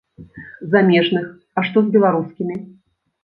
Замежных, а што з беларускімі?